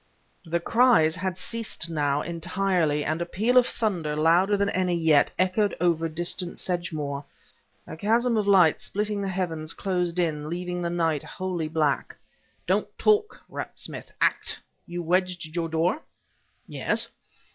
The cries had ceased now, entirely, and a peal of thunder, louder than any yet, echoed over distant Sedgemoor. The chasm of light splitting the heavens closed in, leaving the night wholly black. "Don't talk!" rapped Smith; "act! You wedged your door?" "Yes."